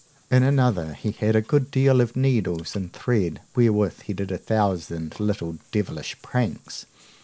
In another, he had a good deal of needles and thread, wherewith he did a thousand little devilish pranks.